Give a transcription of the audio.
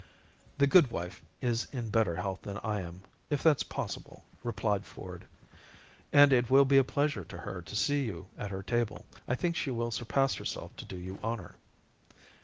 "The goodwife is in better health than I am, if that's possible," replied Ford, "and it will be a pleasure to her to see you at her table. I think she will surpass herself to do you honor."